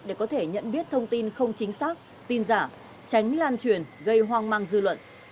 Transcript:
để có thể nhận biết thông tin không chính xác tin giả tránh lan truyền gây hoang mang dư luận